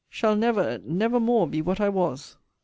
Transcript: Shall never, never more be what I was!